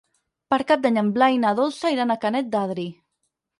Per Cap d'Any en Blai i na Dolça iran a Canet d'Adri.